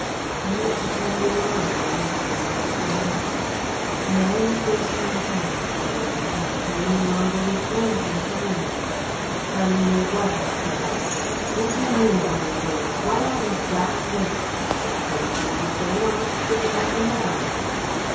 I meant to tell you all in the end, when the right time came. Now, you've forced my hand, and I don't know how I can any longer refrain from telling you." "Telling me WHAT?" I said icily. "What do you mean by your words? Why all these dark hints? If you've anything to say, why not say it like a man?"